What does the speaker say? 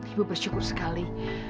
ibu bersyukur sekali